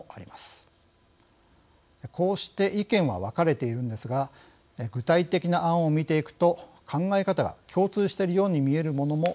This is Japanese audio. こうして意見は分かれているんですが具体的な案を見ていくと考え方が共通しているように見えるものもあります。